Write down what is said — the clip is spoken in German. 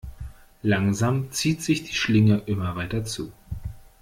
Langsam zieht sich die Schlinge immer weiter zu.